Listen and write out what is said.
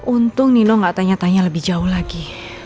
untung nino nggak tanya tanya lebih jauh lagi